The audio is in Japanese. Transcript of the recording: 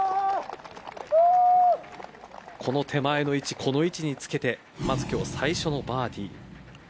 この手前のこの位置につけて今日最初のバーディー。